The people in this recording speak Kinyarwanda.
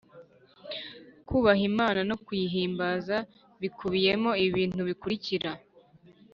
Kubaha Imana no kuyihimbaza bikubiyemo ibibintu bikurikira